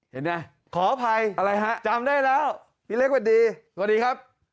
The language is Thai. เห็นไหมขออภัยอะไรฮะจำได้แล้วพี่เล็กสวัสดีครับ